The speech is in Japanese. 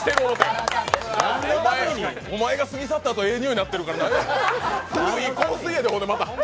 お前が過ぎ去ったあとええにおいやってるから古い香水やで、また。